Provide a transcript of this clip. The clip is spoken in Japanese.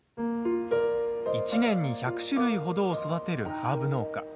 １年に１００種類ほどを育てるハーブ農家。